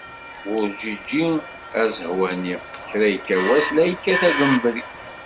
Werǧeǧǧi azehwani, kra yekka wass la yekkat agumbri.